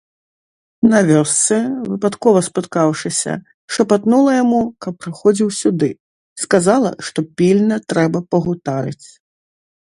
На вёсцы, выпадкова спаткаўшыся, шапатнула яму, каб прыходзіў сюды, сказала, што пільна трэба пагутарыць.